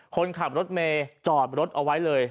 คนขับรถเมย์จอดรถเอาไว้เลย